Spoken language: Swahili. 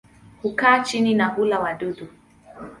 Hukaa chini na hula wadudu.